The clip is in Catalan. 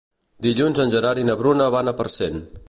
Dilluns en Gerard i na Bruna van a Parcent.